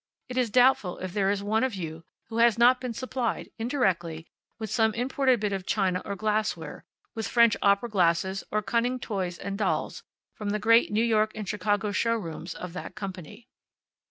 It is doubtful if there is one of you who has not been supplied, indirectly, with some imported bit of china or glassware, with French opera glasses or cunning toys and dolls, from the great New York and Chicago showrooms of that company.